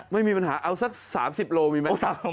ไม่มีปัญหาเอาสัก๓๐โลมีไหม